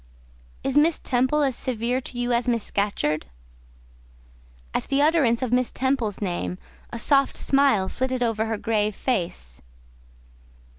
"Is Miss Temple as severe to you as Miss Scatcherd?" At the utterance of Miss Temple's name, a soft smile flitted over her grave face.